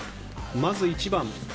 まず１番。